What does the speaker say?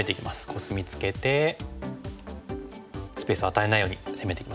コスミツケてスペースを与えないように攻めていきますね。